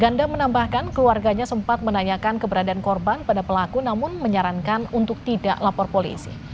ganda menambahkan keluarganya sempat menanyakan keberadaan korban pada pelaku namun menyarankan untuk tidak lapor polisi